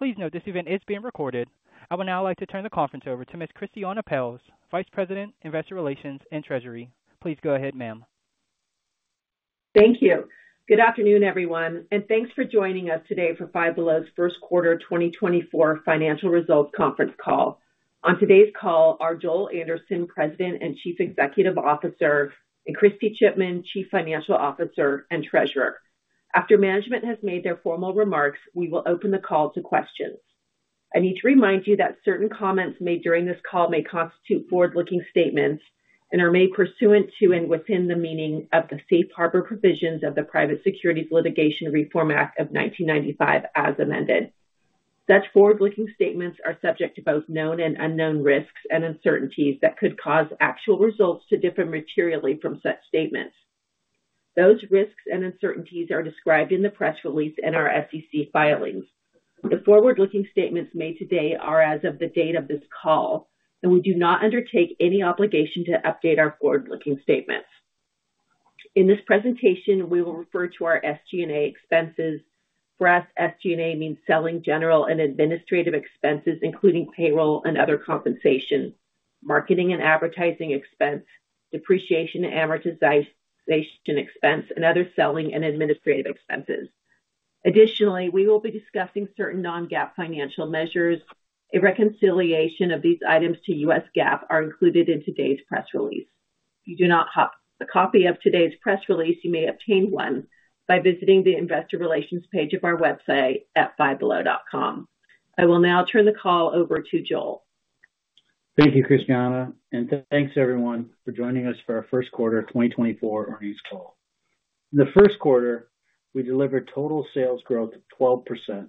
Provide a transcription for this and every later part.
Please note this event is being recorded. I would now like to turn the conference over to Ms. Christiane Pelz, Vice President, Investor Relations and Treasury. Please go ahead, ma'am. Thank you. Good afternoon, everyone, and thanks for joining us today for Five Below's Q1 2024 financial results conference call. On today's call are Joel Anderson, President and Chief Executive Officer, and Kristy Chipman, Chief Financial Officer and Treasurer. After management has made their formal remarks, we will open the call to questions. I need to remind you that certain comments made during this call may constitute forward-looking statements and are made pursuant to and within the meaning of the Safe Harbor Provisions of the Private Securities Litigation Reform Act of 1995, as amended. Such forward-looking statements are subject to both known and unknown risks and uncertainties that could cause actual results to differ materially from such statements. Those risks and uncertainties are described in the press release and our SEC filings. The forward-looking statements made today are as of the date of this call, and we do not undertake any obligation to update our forward-looking statements. In this presentation, we will refer to our SG&A expenses. For us, SG&A means selling, general, and administrative expenses, including payroll and other compensation, marketing and advertising expense, depreciation and amortization expense, and other selling and administrative expenses. Additionally, we will be discussing certain non-GAAP financial measures. A reconciliation of these items to U.S. GAAP are included in today's press release. If you do not have a copy of today's press release, you may obtain one by visiting the Investor Relations page of our website at fivebelow.com. I will now turn the call over to Joel. Thank you, Christiane, and thanks, everyone, for joining us for our Q1 of 2024 earnings call. In the Q1, we delivered total sales growth of 12%,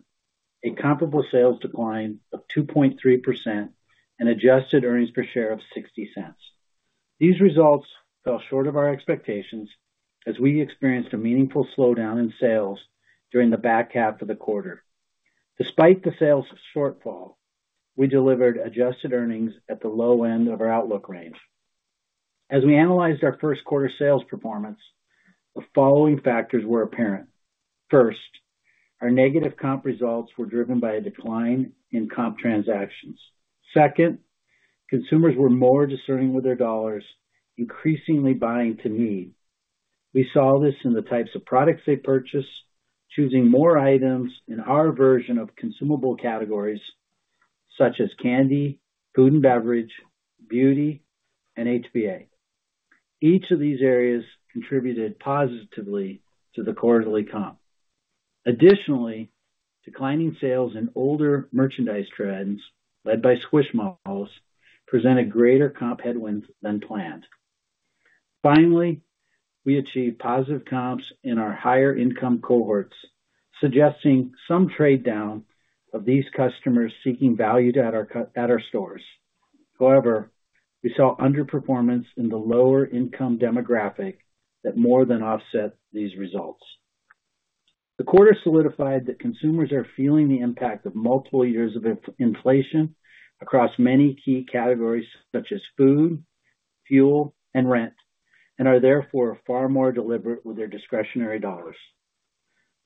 a comparable sales decline of 2.3%, and adjusted earnings per share of $0.60. These results fell short of our expectations as we experienced a meaningful slowdown in sales during the back half of the quarter. Despite the sales shortfall, we delivered adjusted earnings at the low end of our outlook range. As we analyzed our Q1 sales performance, the following factors were apparent. First, our negative comp results were driven by a decline in comp transactions. Second, consumers were more discerning with their dollars, increasingly buying to need. We saw this in the types of products they purchased, choosing more items in our version of consumable categories such as candy, food and beverage, beauty, and HBA. Each of these areas contributed positively to the quarterly comp. Additionally, declining sales in older merchandise trends, led by Squishmallows, presented greater comp headwinds than planned. Finally, we achieved positive comps in our higher income cohorts, suggesting some trade down of these customers seeking value at our stores. However, we saw underperformance in the lower income demographic that more than offset these results. The quarter solidified that consumers are feeling the impact of multiple years of inflation across many key categories such as food, fuel, and rent, and are therefore far more deliberate with their discretionary dollars.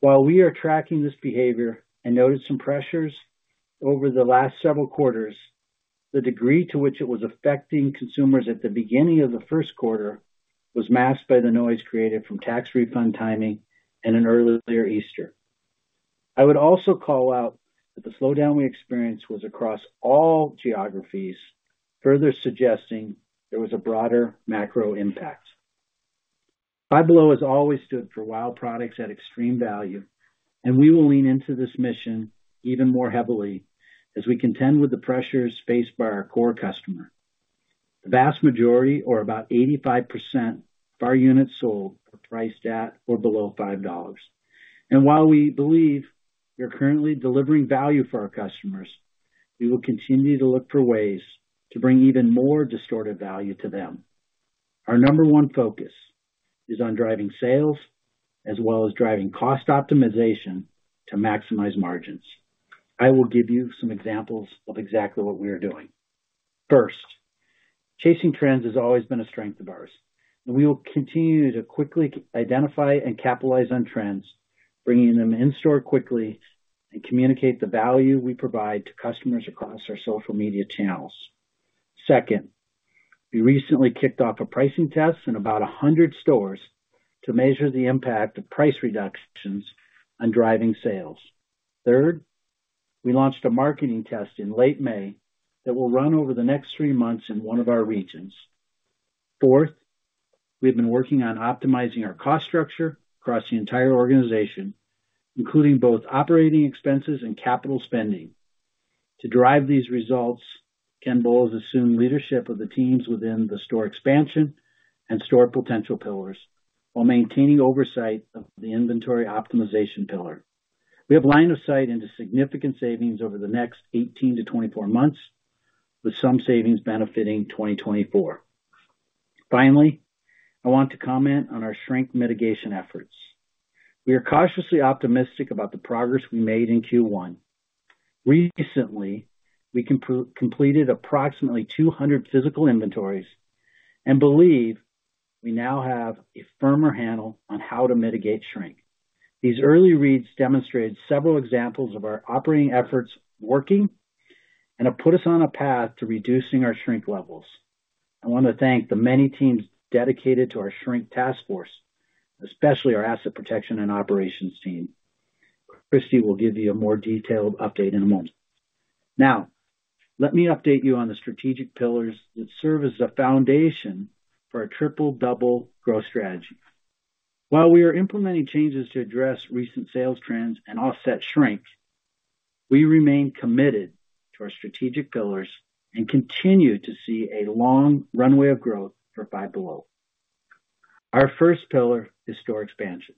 While we are tracking this behavior and noted some pressures over the last several quarters, the degree to which it was affecting consumers at the beginning of the Q1 was masked by the noise created from tax refund timing and an earlier Easter. I would also call out that the slowdown we experienced was across all geographies, further suggesting there was a broader macro impact. Five Below has always stood for wow products at extreme value, and we will lean into this mission even more heavily as we contend with the pressures faced by our core customer. The vast majority, or about 85% of our units sold, are priced at or below $5. While we believe we are currently delivering value for our customers, we will continue to look for ways to bring even more distorted value to them. Our number one focus is on driving sales as well as driving cost optimization to maximize margins. I will give you some examples of exactly what we are doing. First, chasing trends has always been a strength of ours, and we will continue to quickly identify and capitalize on trends, bringing them in store quickly and communicate the value we provide to customers across our social media channels. Second, we recently kicked off a pricing test in about 100 stores to measure the impact of price reductions on driving sales. Third, we launched a marketing test in late May that will run over the next three months in one of our regions. Fourth, we have been working on optimizing our cost structure across the entire organization, including both operating expenses and capital spending. To drive these results, Ken Bull assumed leadership of the teams within the Store Expansion and Store Potential pillars while maintaining oversight of the Inventory Optimization pillar. We have line of sight into significant savings over the next 18-24 months, with some savings benefiting 2024. Finally, I want to comment on our shrink mitigation efforts. We are cautiously optimistic about the progress we made in Q1. Recently, we completed approximately 200 physical inventories and believe we now have a firmer handle on how to mitigate shrink. These early reads demonstrated several examples of our operating efforts working, and have put us on a path to reducing our shrink levels. I want to thank the many teams dedicated to our shrink task force, especially our asset protection and operations team. Kristy will give you a more detailed update in a moment. Now, let me update you on the strategic pillars that serve as the foundation for our Triple-Double growth strategy. While we are implementing changes to address recent sales trends and offset shrink, we remain committed to our strategic pillars and continue to see a long runway of growth for Five Below. Our first pillar is store expansion.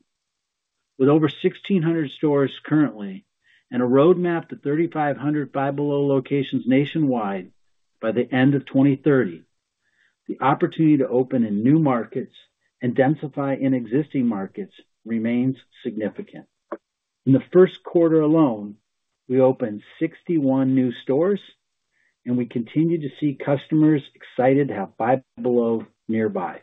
With over 1,600 stores currently, and a roadmap to 3,500 Five Below locations nationwide by the end of 2030, the opportunity to open in new markets and densify in existing markets remains significant. In the Q1 alone, we opened 61 new stores, and we continue to see customers excited to have Five Below nearby.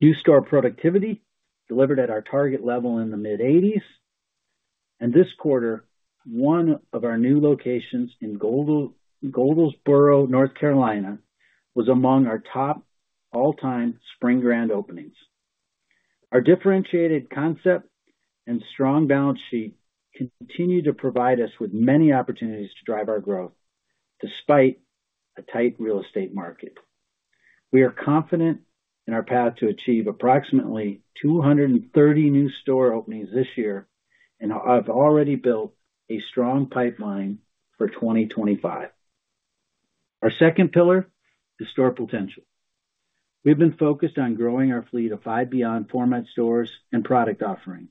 New store productivity delivered at our target level in the mid-80s, and this quarter, one of our new locations in Goldsboro, North Carolina, was among our top all-time spring grand openings. Our differentiated concept and strong balance sheet continue to provide us with many opportunities to drive our growth, despite a tight real estate market. We are confident in our path to achieve approximately 230 new store openings this year, and have already built a strong pipeline for 2025. Our second pillar is Store potential. We've been focused on growing our fleet of Five Beyond format stores and product offering.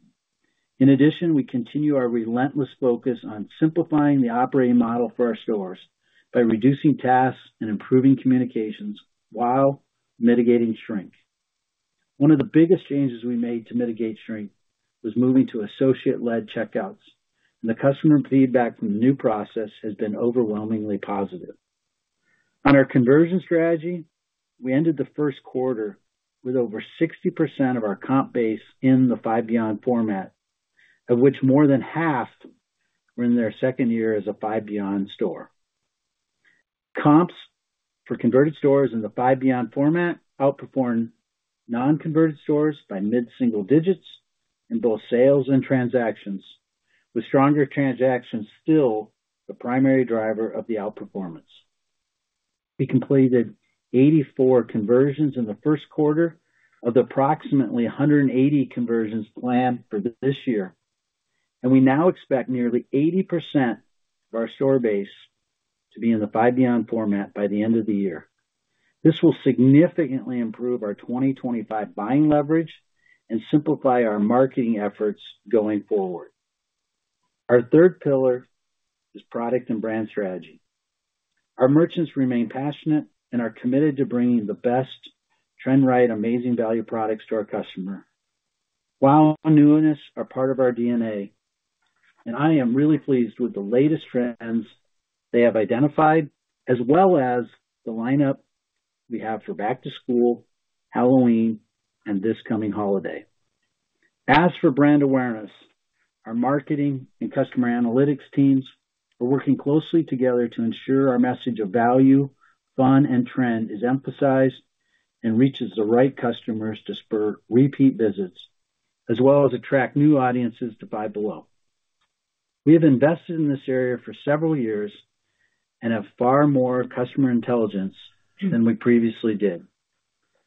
In addition, we continue our relentless focus on simplifying the operating model for our stores by reducing tasks and improving communications while mitigating shrink. One of the biggest changes we made to mitigate shrink was moving to associate-led checkouts, and the customer feedback from the new process has been overwhelmingly positive. On our conversion strategy, we ended the Q1 with over 60% of our comp base in the Five Beyond format, of which more than half were in their second year as a Five Beyond store. Comps for converted stores in the Five Beyond format outperformed non-converted stores by mid-single digits in both sales and transactions, with stronger transactions still the primary driver of the outperformance. We completed 84 conversions in the Q1 of the approximately 180 conversions planned for this year, and we now expect nearly 80% of our store base to be in the Five Beyond format by the end of the year. This will significantly improve our 2025 buying leverage and simplify our marketing efforts going forward. Our third pillar is Product and Brand Strategy. Our merchants remain passionate and are committed to bringing the best trend-right, amazing value products to our customer. While newness is part of our DNA, and I am really pleased with the latest trends they have identified, as well as the lineup we have for back to school, Halloween, and this coming holiday. As for brand awareness, our marketing and customer analytics teams are working closely together to ensure our message of value, fun, and trend is emphasized and reaches the right customers to spur repeat visits, as well as attract new audiences to Five Below. We have invested in this area for several years and have far more customer intelligence than we previously did,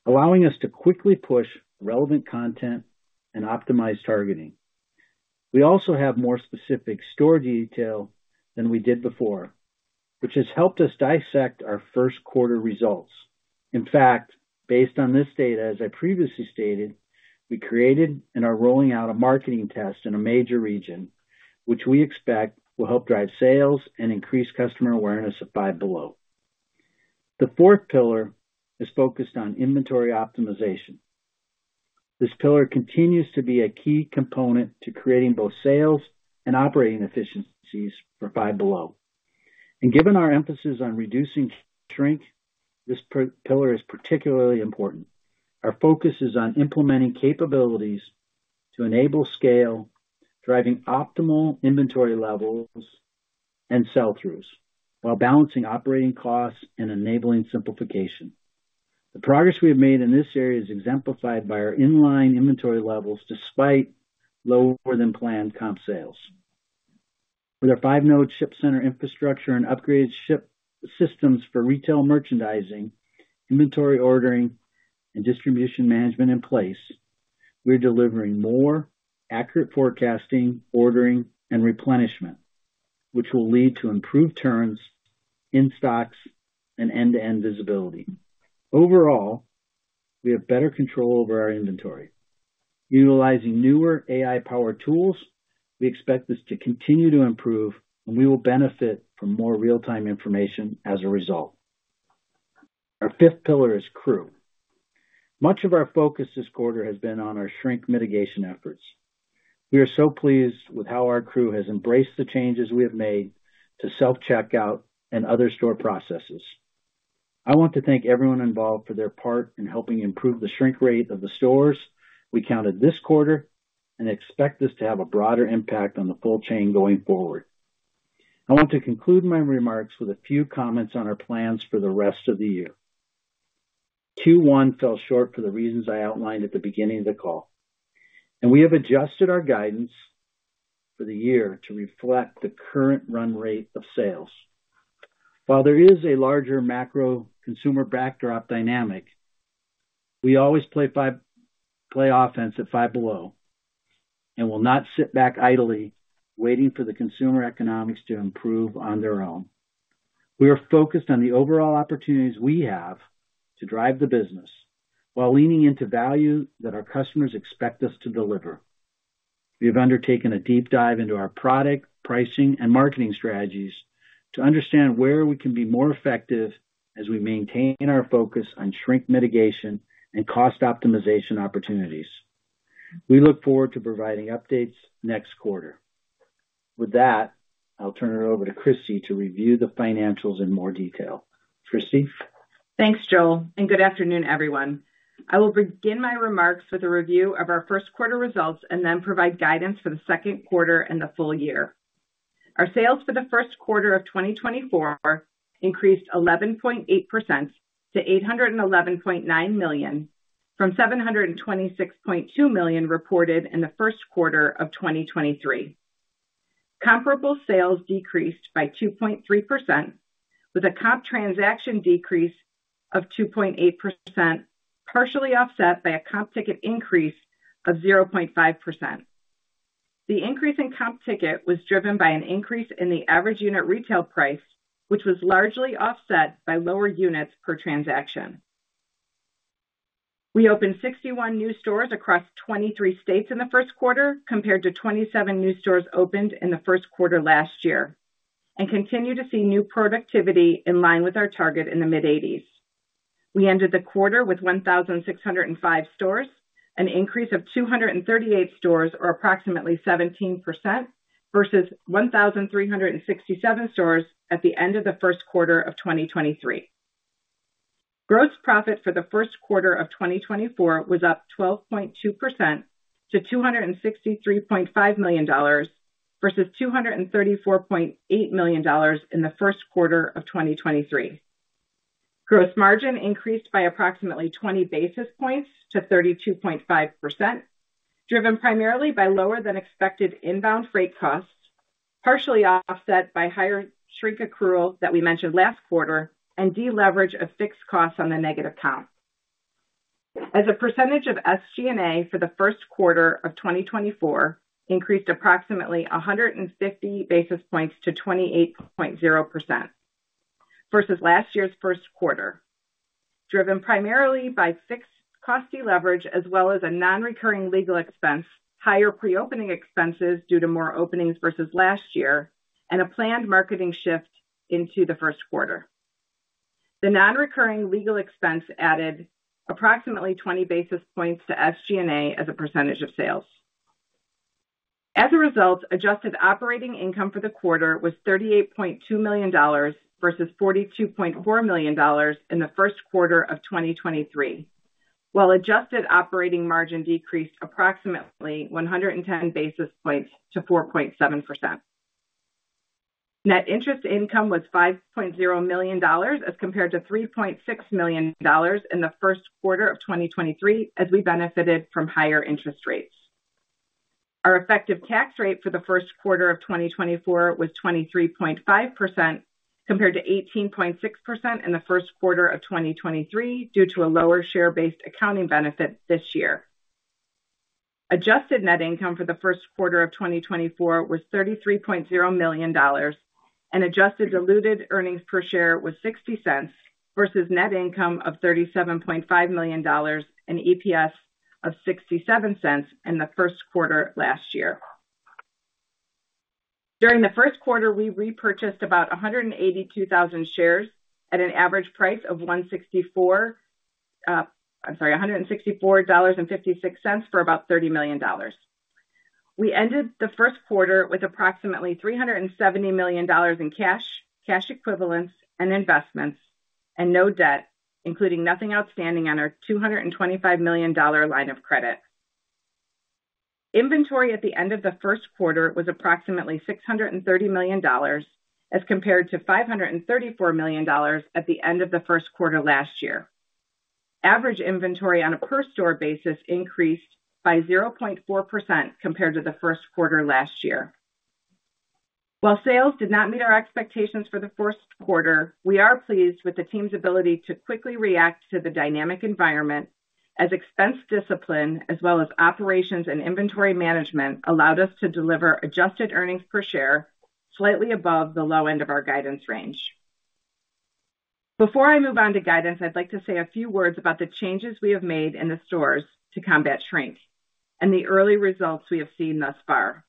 allowing us to quickly push relevant content and optimize targeting. We also have more specific store detail than we did before, which has helped us dissect our Q1 results. In fact, based on this data, as I previously stated, we created and are rolling out a marketing test in a major region, which we expect will help drive sales and increase customer awareness of Five Below. The fourth pillar is focused on inventory optimization. This pillar continues to be a key component to creating both sales and operating efficiencies for Five Below. Given our emphasis on reducing shrink, this pillar is particularly important. Our focus is on implementing capabilities to enable scale, driving optimal inventory levels and sell-throughs, while balancing operating costs and enabling simplification. The progress we have made in this area is exemplified by our in-line inventory levels, despite lower than planned comp sales. With our 5-node ship center infrastructure and upgraded ship systems for retail merchandising, inventory ordering, and distribution management in place, we're delivering more accurate forecasting, ordering, and replenishment, which will lead to improved turns, in stocks and end-to-end visibility. Overall, we have better control over our inventory. Utilizing newer AI-powered tools, we expect this to continue to improve, and we will benefit from more real-time information as a result. Our fifth pillar is Crew.... Much of our focus this quarter has been on our shrink mitigation efforts. We are so pleased with how our Crew has embraced the changes we have made to self-checkout and other store processes. I want to thank everyone involved for their part in helping improve the shrink rate of the stores we counted this quarter, and expect this to have a broader impact on the full chain going forward. I want to conclude my remarks with a few comments on our plans for the rest of the year. Q1 fell short for the reasons I outlined at the beginning of the call, and we have adjusted our guidance for the year to reflect the current run rate of sales. While there is a larger macro consumer backdrop dynamic, we always play offense at Five Below and will not sit back idly waiting for the consumer economics to improve on their own. We are focused on the overall opportunities we have to drive the business while leaning into value that our customers expect us to deliver. We have undertaken a deep dive into our product, pricing, and marketing strategies to understand where we can be more effective as we maintain our focus on shrink mitigation and cost optimization opportunities. We look forward to providing updates next quarter. With that, I'll turn it over to Christiane to review the financials in more detail. Christiane? Thanks, Joel, and good afternoon, everyone. I will begin my remarks with a review of our Q1 results and then provide guidance for the Q2 and the full year. Our sales for the Q1 of 2024 increased 11.8% to $811.9 million, from $726.2 million reported in the Q1 of 2023. Comparable sales decreased by 2.3%, with a comp transaction decrease of 2.8%, partially offset by a comp ticket increase of 0.5%. The increase in comp ticket was driven by an increase in the average unit retail price, which was largely offset by lower units per transaction. We opened 61 new stores across 23 states in the Q1, compared to 27 new stores opened in the Q1 last year, and continue to see new productivity in line with our target in the mid-80s. We ended the quarter with 1,605 stores, an increase of 238 stores, or approximately 17%, versus 1,367 stores at the end of the Q1 of 2023. Gross profit for the Q1 of 2024 was up 12.2% to $263.5 million, versus $234.8 million in the Q1 of 2023. Gross margin increased by approximately 20 basis points to 32.5%, driven primarily by lower than expected inbound freight costs, partially offset by higher shrink accrual that we mentioned last quarter, and deleverage of fixed costs on the negative comps. As a percentage of SG&A for the Q1 of 2024 increased approximately 150 basis points to 28.0% versus last year's Q1, driven primarily by fixed cost deleverage as well as a non-recurring legal expense, higher pre-opening expenses due to more openings versus last year, and a planned marketing shift into the Q1. The non-recurring legal expense added approximately 20 basis points to SG&A as a percentage of sales. As a result, adjusted operating income for the quarter was $38.2 million versus $42.4 million in the Q1 of 2023, while adjusted operating margin decreased approximately 110 basis points to 4.7%. Net interest income was $5.0 million, as compared to $3.6 million in the Q1 of 2023, as we benefited from higher interest rates. Our effective tax rate for the Q1 of 2024 was 23.5%, compared to 18.6% in the Q1 of 2023, due to a lower share-based accounting benefit this year. Adjusted net income for the Q1 of 2024 was $33.0 million, and adjusted diluted earnings per share was $0.60, versus net income of $37.5 million and EPS of $0.67 in the Q1 last year. During the Q1, we repurchased about 182,000 shares at an average price of $164.56 for about $30 million. We ended the Q1 with approximately $370 million in cash, cash equivalents, and investments, and no debt, including nothing outstanding on our $225 million line of credit. Inventory at the end of the Q1 was approximately $630 million, as compared to $534 million at the end of the Q1 last year. Average inventory on a per store basis increased by 0.4% compared to the Q1 last year. While sales did not meet our expectations for the Q1, we are pleased with the team's ability to quickly react to the dynamic environment as expense discipline, as well as operations and inventory management, allowed us to deliver adjusted earnings per share slightly above the low end of our guidance range. Before I move on to guidance, I'd like to say a few words about the changes we have made in the stores to combat shrink and the early results we have seen thus far.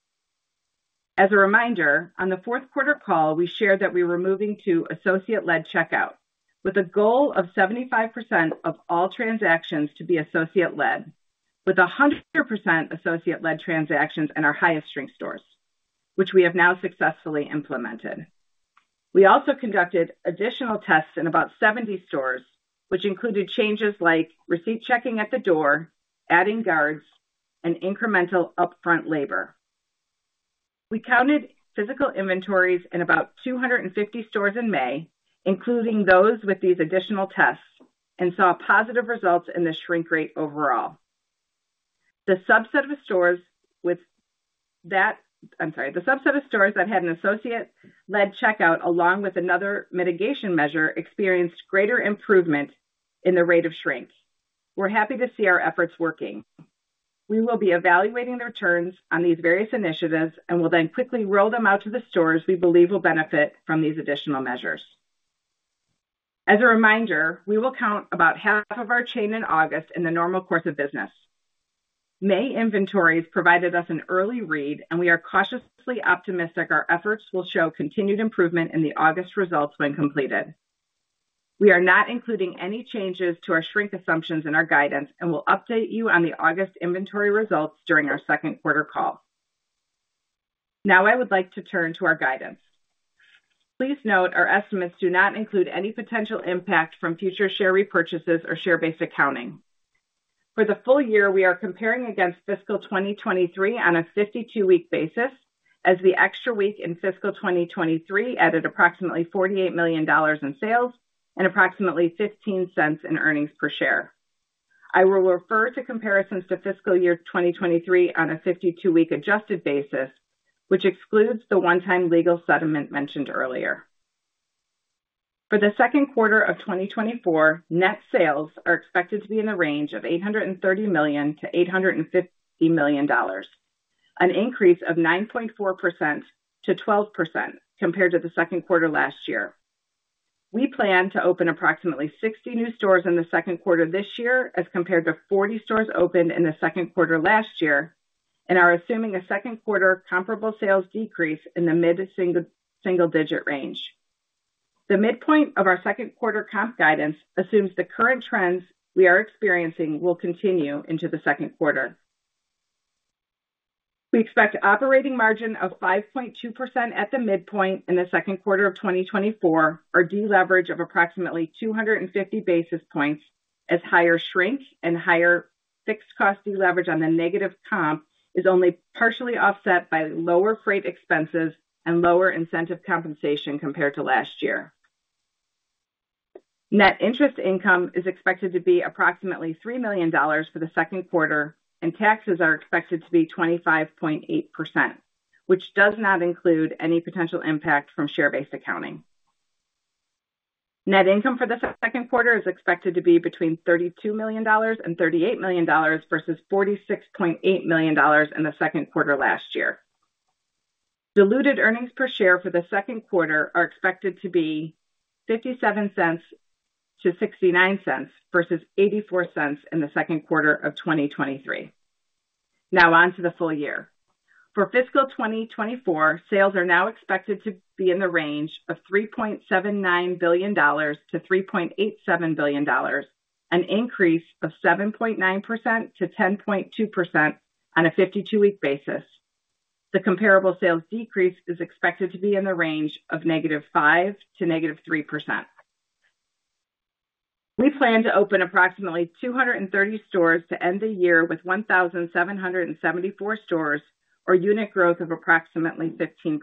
As a reminder, on the fourth quarter call, we shared that we were moving to associate-led checkout, with a goal of 75% of all transactions to be associate-led, with 100% associate-led transactions in our highest shrink stores, which we have now successfully implemented. We also conducted additional tests in about 70 stores, which included changes like receipt checking at the door, adding guards, and incremental upfront labor. We counted physical inventories in about 250 stores in May, including those with these additional tests, and saw positive results in the shrink rate overall. The subset of stores that had an associate-led checkout, along with another mitigation measure, experienced greater improvement in the rate of shrink. We're happy to see our efforts working. We will be evaluating the returns on these various initiatives and will then quickly roll them out to the stores we believe will benefit from these additional measures. As a reminder, we will count about half of our chain in August in the normal course of business. May inventories provided us an early read, and we are cautiously optimistic our efforts will show continued improvement in the August results when completed. We are not including any changes to our shrink assumptions in our guidance and will update you on the August inventory results during our Q2 call. Now, I would like to turn to our guidance. Please note, our estimates do not include any potential impact from future share repurchases or share-based accounting. For the full year, we are comparing against fiscal 2023 on a 52-week basis, as the extra week in fiscal 2023 added approximately $48 million in sales and approximately $0.15 in earnings per share. I will refer to comparisons to fiscal year 2023 on a 52-week adjusted basis, which excludes the one-time legal settlement mentioned earlier. For the Q2 of 2024, net sales are expected to be in the range of $830 to 850 million, an increase of 9.4% to 12% compared to the Q2 last year. We plan to open approximately 60 new stores in the Q2 this year, as compared to 40 stores opened in the Q2 last year, and are assuming a Q2 comparable sales decrease in the mid-single, single-digit range. The midpoint of our Q2 comp guidance assumes the current trends we are experiencing will continue into the Q2. We expect operating margin of 5.2% at the midpoint in the Q2 of 2024, or deleverage of approximately 250 basis points, as higher shrink and higher fixed cost deleverage on the negative comp is only partially offset by lower freight expenses and lower incentive compensation compared to last year. Net interest income is expected to be approximately $3 million for the Q2, and taxes are expected to be 25.8%, which does not include any potential impact from share-based accounting. Net income for the Q2 is expected to be between $32 million and $38 million versus $46.8 million in the Q2 last year. Diluted earnings per share for the Q2 are expected to be $0.57 to 0.69 versus $0.84 in the Q2 of 2023. Now on to the full year. For fiscal 2024, sales are now expected to be in the range of $3.79 to $3.87 billion, an increase of 7.9% to 10.2% on a 52-week basis. The comparable sales decrease is expected to be in the range of -5% to -3%. We plan to open approximately 230 stores to end the year with 1,774 stores, or unit growth of approximately 15%.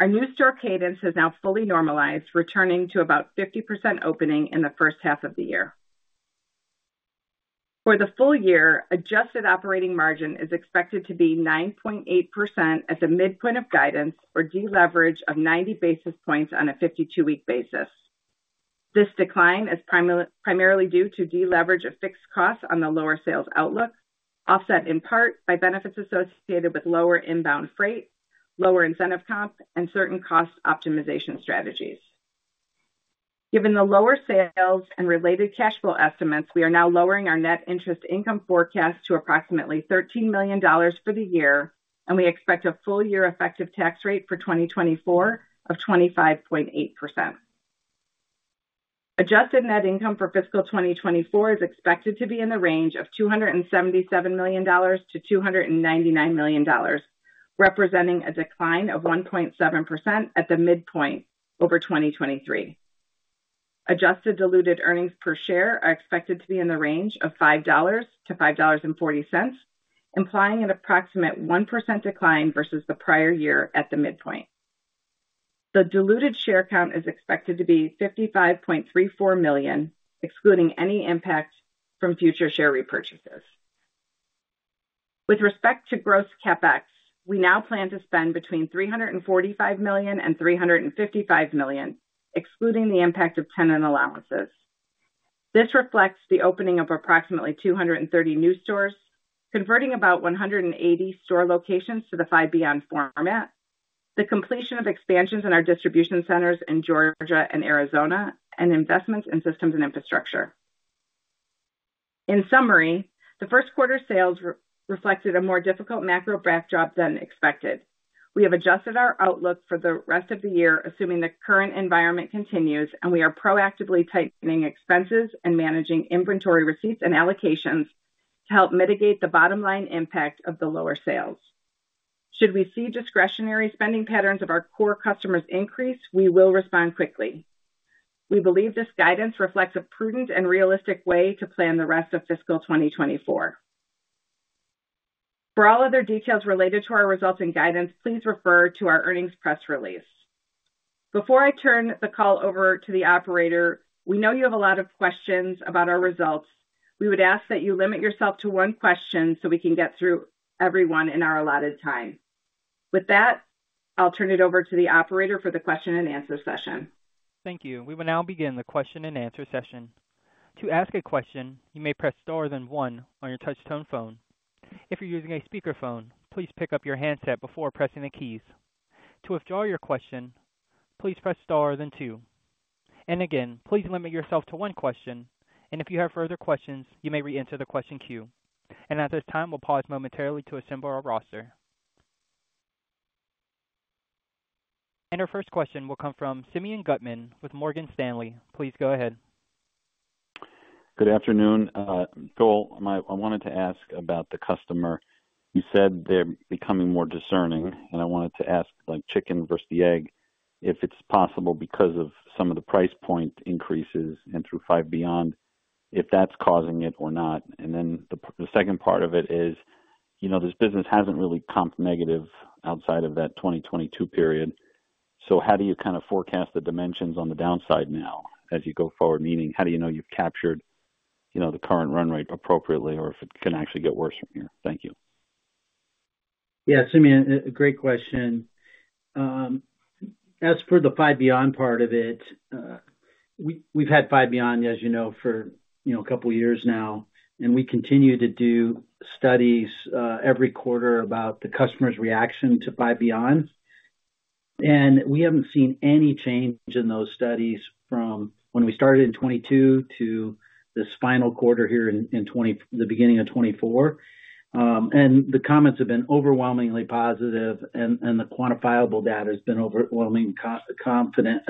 Our new store cadence has now fully normalized, returning to about 50% opening in the H1 of the year. For the full year, adjusted operating margin is expected to be 9.8% at the midpoint of guidance or deleverage of 90 basis points on a 52-week basis. This decline is primarily due to deleverage of fixed costs on the lower sales outlook, offset in part by benefits associated with lower inbound freight, lower incentive comp, and certain cost optimization strategies. Given the lower sales and related cash flow estimates, we are now lowering our net interest income forecast to approximately $13 million for the year, and we expect a full year effective tax rate for 2024 of 25.8%. Adjusted net income for fiscal 2024 is expected to be in the range of $277 to $299 million, representing a decline of 1.7% at the midpoint over 2023. Adjusted diluted earnings per share are expected to be in the range of $5 to 5.40, implying an approximate 1% decline versus the prior year at the midpoint. The diluted share count is expected to be 55.34 million, excluding any impact from future share repurchases. With respect to gross CapEx, we now plan to spend between $345 and 355 million, excluding the impact of tenant allowances. This reflects the opening of approximately 230 new stores, converting about 180 store locations to the Five Beyond format, the completion of expansions in our distribution centers in Georgia and Arizona, and investments in systems and infrastructure. In summary, the Q1 sales re-reflected a more difficult macro backdrop than expected. We have adjusted our outlook for the rest of the year, assuming the current environment continues, and we are proactively tightening expenses and managing inventory receipts and allocations to help mitigate the bottom line impact of the lower sales. Should we see discretionary spending patterns of our core customers increase, we will respond quickly. We believe this guidance reflects a prudent and realistic way to plan the rest of fiscal 2024. For all other details related to our results and guidance, please refer to our earnings press release. Before I turn the call over to the operator, we know you have a lot of questions about our results. We would ask that you limit yourself to one question so we can get through everyone in our allotted time. With that, I'll turn it over to the operator for the question-and-answer session. Thank you. We will now begin the question-and-answer session. To ask a question, you may press star then one on your touchtone phone. If you're using a speakerphone, please pick up your handset before pressing the keys. To withdraw your question, please press star then two. And again, please limit yourself to one question, and if you have further questions, you may reenter the question queue. And at this time, we'll pause momentarily to assemble our roster. And our first question will come from Simeon Gutman with Morgan Stanley. Please go ahead. Good afternoon, Joel. I wanted to ask about the customer. You said they're becoming more discerning, and I wanted to ask, like, chicken versus the egg, if it's possible, because of some of the price point increases and through Five Beyond, if that's causing it or not. And then the second part of it is, you know, this business hasn't really comped negative outside of that 2022 period. So how do you kind of forecast the dimensions on the downside now as you go forward? Meaning, how do you know you've captured, you know, the current run rate appropriately, or if it can actually get worse from here? Thank you. Yeah, Simeon, a great question. As for the Five Beyond part of it, we've had Five Beyond, as you know, for, you know, a couple years now, and we continue to do studies every quarter about the customer's reaction to Five Beyond. And we haven't seen any change in those studies from when we started in 2022 to this final quarter here in the beginning of 2024. And the comments have been overwhelmingly positive, and the quantifiable data has been overwhelmingly confident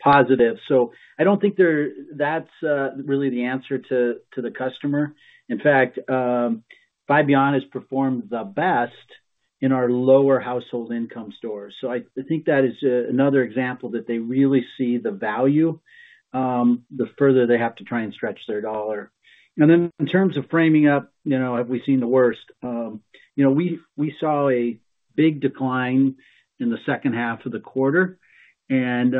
positive. So I don't think that's really the answer to the customer. In fact, Five Beyond has performed the best in our lower household income stores. So I think that is another example that they really see the value the further they have to try and stretch their dollar. And then in terms of framing up, you know, have we seen the worst? You know, we saw a big decline in the H2 of the quarter, and,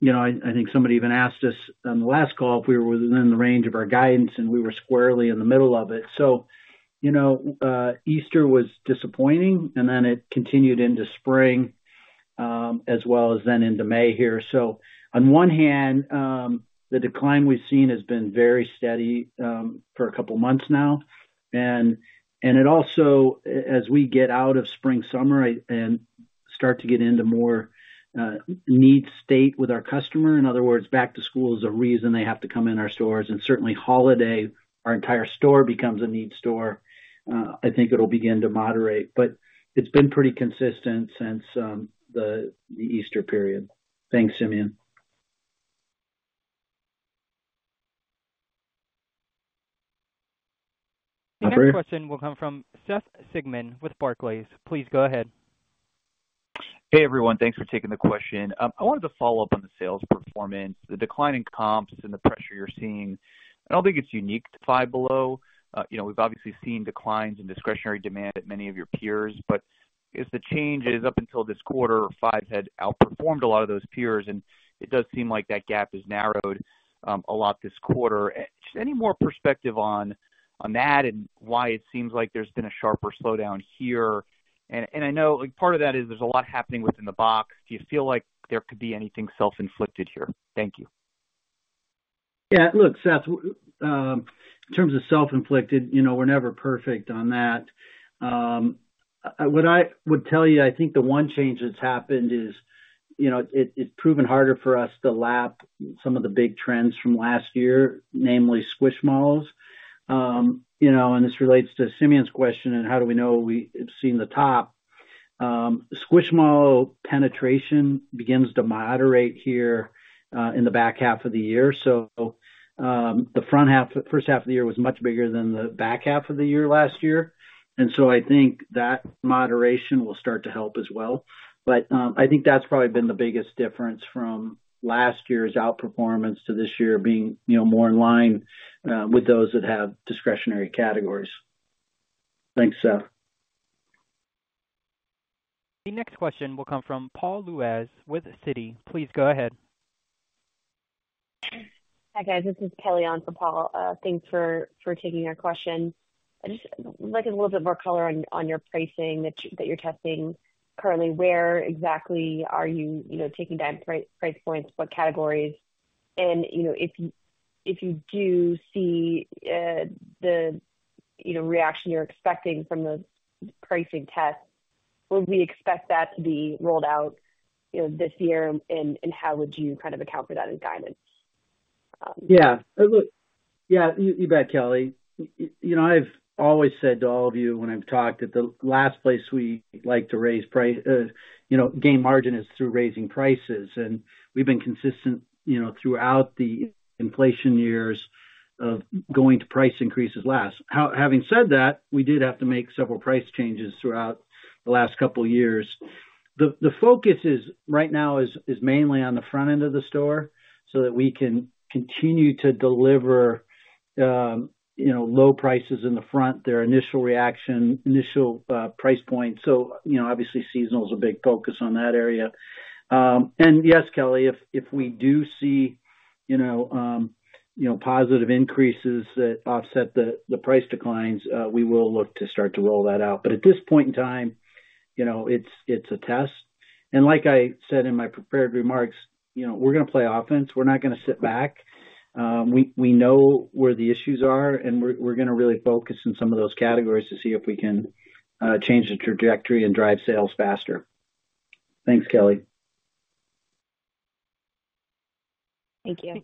you know, I think somebody even asked us on the last call if we were within the range of our guidance, and we were squarely in the middle of it. So, you know, Easter was disappointing, and then it continued into spring, as well as then into May here. So on one hand, the decline we've seen has been very steady, for a couple months now. It also, as we get out of spring, summer, and start to get into more need state with our customer, in other words, back to school is a reason they have to come in our stores, and certainly holiday, our entire store becomes a need store. I think it'll begin to moderate, but it's been pretty consistent since the Easter period. Thanks, Simeon. The next question will come from Seth Sigman with Barclays. Please go ahead. Hey, everyone. Thanks for taking the question. I wanted to follow up on the sales performance, the decline in comps and the pressure you're seeing. I don't think it's unique to Five Below. You know, we've obviously seen declines in discretionary demand at many of your peers, but as the changes up until this quarter, Five had outperformed a lot of those peers, and it does seem like that gap has narrowed, a lot this quarter. Just any more perspective on, on that and why it seems like there's been a sharper slowdown here. And, and I know, like, part of that is there's a lot happening within the box. Do you feel like there could be anything self-inflicted here? Thank you. Yeah. Look, Seth, in terms of self-inflicted, you know, we're never perfect on that. What I would tell you, I think the one change that's happened is, you know, it, it's proven harder for us to lap some of the big trends from last year, namely Squishmallows. You know, and this relates to Simeon's question, and how do we know we have seen the top? Squishmallow penetration begins to moderate here, in the back half of the year. So, the front half, H1 of the year was much bigger than the back half of the year last year, and so I think that moderation will start to help as well. But, I think that's probably been the biggest difference from last year's outperformance to this year being, you know, more in line, with those that have discretionary categories. Thanks, Seth. The next question will come from Paul Lejuez with Citi. Please go ahead. Hi, guys. This is Kelly on for Paul. Thanks for taking our question. I'm just looking a little bit more color on your pricing that you're testing currently. Where exactly are you taking down price points, what categories? And, you know, if you do see the reaction you're expecting from the pricing test- Would we expect that to be rolled out, you know, this year, and, and how would you kind of account for that in guidance? Yeah. Look, yeah, you bet, Kelly. You know, I've always said to all of you when I've talked that the last place we like to raise, you know, gain margin is through raising prices, and we've been consistent, you know, throughout the inflation years of going to price increases last. Having said that, we did have to make several price changes throughout the last couple of years. The focus right now is mainly on the front end of the store so that we can continue to deliver, you know, low prices in the front, their initial reaction, initial price point. So, you know, obviously, seasonal is a big focus on that area. Yes, Kelly, if we do see, you know, positive increases that offset the price declines, we will look to start to roll that out. But at this point in time, you know, it's a test. And like I said in my prepared remarks, you know, we're gonna play offense. We're not gonna sit back. We know where the issues are, and we're gonna really focus on some of those categories to see if we can change the trajectory and drive sales faster. Thanks, Kelly. Thank you.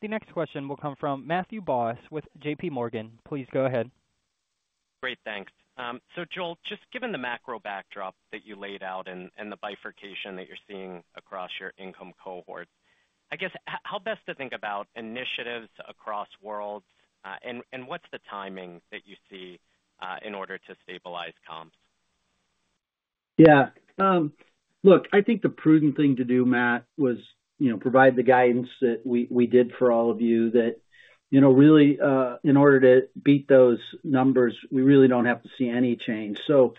The next question will come from Matthew Boss with JPMorgan. Please go ahead. Great, thanks. So Joel, just given the macro backdrop that you laid out and the bifurcation that you're seeing across your income cohorts, I guess, how best to think about initiatives across worlds, and what's the timing that you see in order to stabilize comps? Yeah. Look, I think the prudent thing to do, Matt, was, you know, provide the guidance that we, we did for all of you that, you know, really, in order to beat those numbers, we really don't have to see any change. So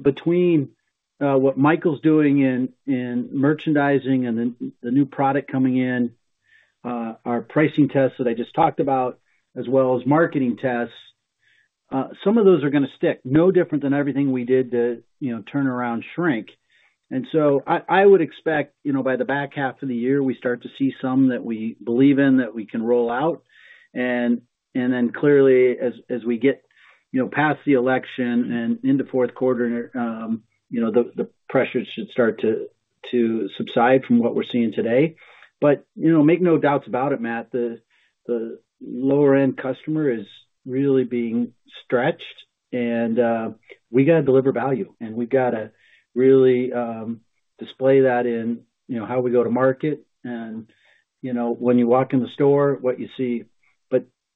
between what Michael's doing in merchandising and then the new product coming in, our pricing tests that I just talked about, as well as marketing tests, some of those are gonna stick. No different than everything we did to, you know, turn around shrink. And so I, I would expect, you know, by the back half of the year, we start to see some that we believe in, that we can roll out. Clearly, as we get, you know, past the election and into fourth quarter, you know, the pressure should start to subside from what we're seeing today. But, you know, make no doubts about it, Matt, the lower-end customer is really being stretched, and we gotta deliver value, and we've gotta really display that in, you know, how we go to market and, you know, when you walk in the store, what you see. But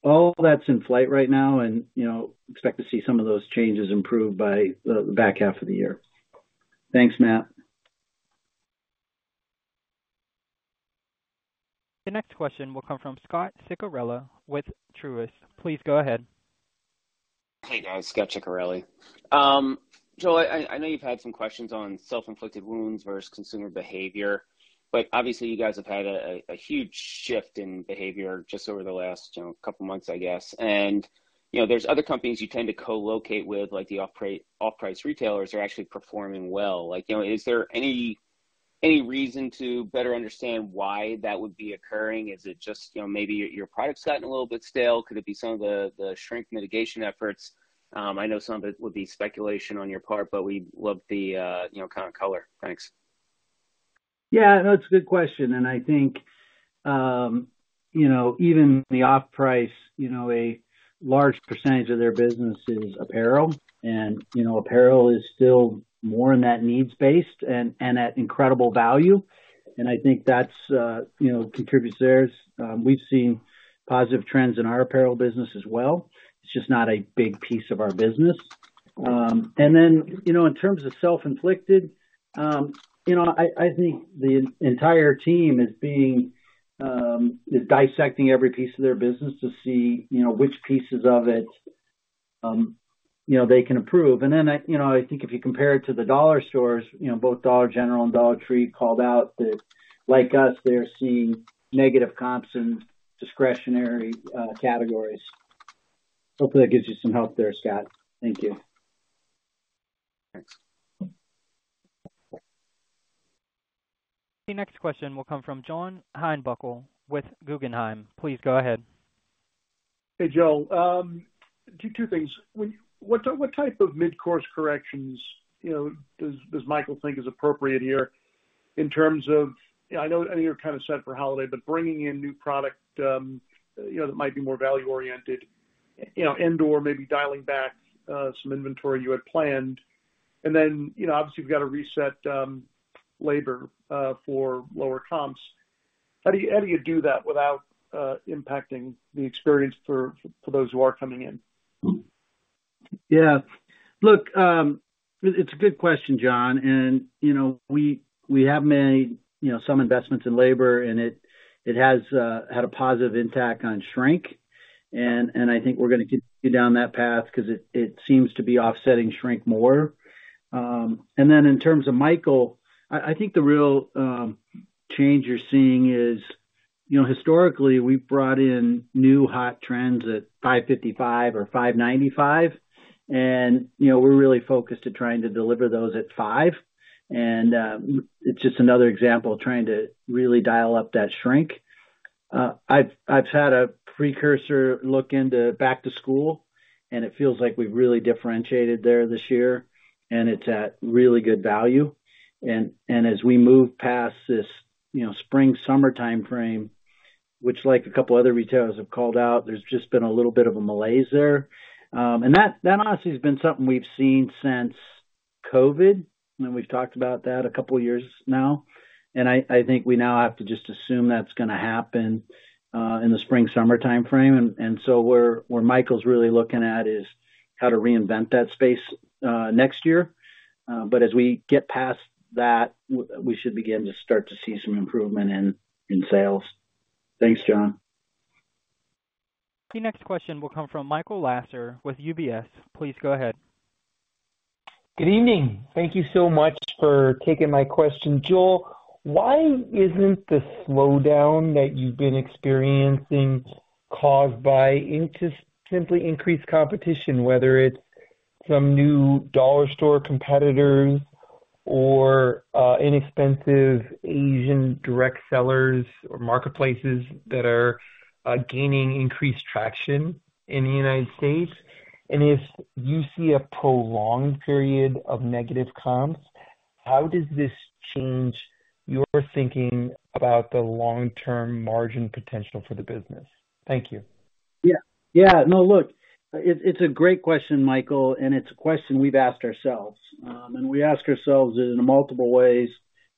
all that's in flight right now and, you know, expect to see some of those changes improve by the back half of the year. Thanks, Matt. The next question will come from Scot Ciccarelli with Truist. Please go ahead. Hey, guys. Scot Ciccarelli. Joel, I know you've had some questions on self-inflicted wounds versus consumer behavior, but obviously, you guys have had a huge shift in behavior just over the last couple months, I guess. You know, there's other companies you tend to co-locate with, like the off-price retailers, are actually performing well. Like, you know, is there any reason to better understand why that would be occurring? Is it just, you know, maybe your product's gotten a little bit stale? Could it be some of the shrink mitigation efforts? I know some of it would be speculation on your part, but we'd love the, you know, kind of color. Thanks. Yeah, that's a good question, and I think, you know, even the off-price, you know, a large percentage of their business is apparel, and, you know, apparel is still more in that needs-based and at incredible value. And I think that's, you know, contributes theirs. We've seen positive trends in our apparel business as well. It's just not a big piece of our business. And then, you know, in terms of self-inflicted, you know, I think the entire team is being... is dissecting every piece of their business to see, you know, which pieces of it, you know, they can improve. And then, I, you know, I think if you compare it to the dollar stores, you know, both Dollar General and Dollar Tree called out that, like us, they're seeing negative comps in discretionary categories. Hopefully, that gives you some help there, Scot. Thank you. Thanks. The next question will come from John Heinbockel with Guggenheim. Please go ahead. Hey, Joel. Two things: What type of mid-course corrections, you know, does Michael think is appropriate here in terms of... I know you're kind of set for holiday, but bringing in new product, you know, that might be more value-oriented, you know, and/or maybe dialing back some inventory you had planned. And then, you know, obviously, you've got to reset labor for lower comps. How do you do that without impacting the experience for those who are coming in? Yeah. Look, it's a good question, John, and, you know, we have made, you know, some investments in labor, and it has had a positive impact on shrink. And I think we're gonna continue down that path because it seems to be offsetting shrink more. And then in terms of Michael, I think the real change you're seeing is, you know, historically, we brought in new hot trends at $5.55 or $5.95, and, you know, we're really focused at trying to deliver those at $5. And it's just another example of trying to really dial up that shrink. I've had a precursor look into back to school, and it feels like we've really differentiated there this year, and it's at really good value. As we move past this, you know, spring, summer timeframe, which like a couple other retailers have called out, there's just been a little bit of a malaise there. That honestly has been something we've seen since COVID, and we've talked about that a couple of years now, and I think we now have to just assume that's gonna happen in the spring, summer timeframe. So where Michael's really looking at is how to reinvent that space next year. But as we get past that, we should begin to start to see some improvement in sales. Thanks, John. The next question will come from Michael Lasser with UBS. Please go ahead. Good evening. Thank you so much for taking my question. Joel, why isn't the slowdown that you've been experiencing caused by simply increased competition, whether it's some new dollar store competitors or inexpensive Asian direct sellers or marketplaces that are gaining increased traction in the United States? And if you see a prolonged period of negative comps, how does this change your thinking about the long-term margin potential for the business? Thank you. Yeah. Yeah. No, look, it's a great question, Michael, and it's a question we've asked ourselves. And we ask ourselves it in multiple ways.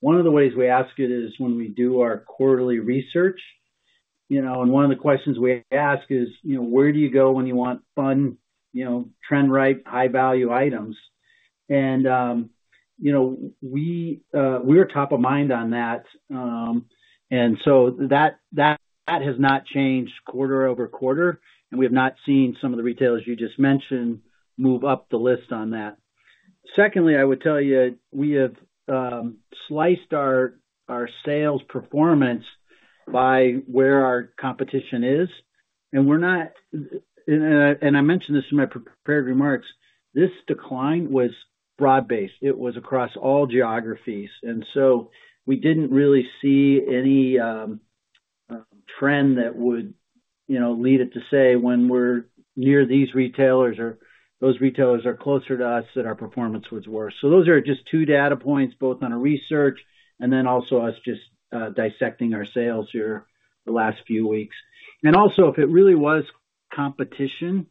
One of the ways we ask it is when we do our quarterly research, you know, and one of the questions we ask is, you know, where do you go when you want fun, you know, trend-right, high-value items? And, you know, we were top of mind on that. And so that has not changed quarter over quarter, and we have not seen some of the retailers you just mentioned move up the list on that. Secondly, I would tell you, we have sliced our sales performance by where our competition is, and we're not. And I mentioned this in my prepared remarks: this decline was broad-based. It was across all geographies, and so we didn't really see any trend that would, you know, lead it to say when we're near these retailers or those retailers are closer to us, that our performance was worse. So those are just two data points, both on our research and then also us just dissecting our sales here the last few weeks. And also, if it really was competition,